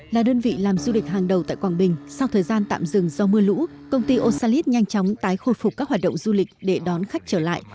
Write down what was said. là đơn vị làm du lịch hàng đầu tại quảng bình sau thời gian tạm dừng do mưa lũ công ty osalit nhanh chóng tái khôi phục các hoạt động du lịch để đón khách trở lại